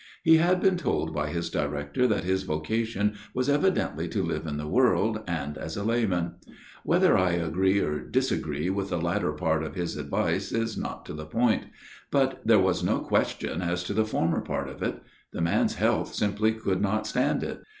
He had been told by his director that his vocation was evidently to live in the world, and as a lay man. Whether I agree or disagree with the latter part of his advice is not to the point, but there was no question as to the former part of it. The man's health simply could not stand it.